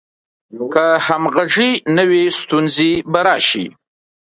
که همغږي نه وي، ستونزې به راشي.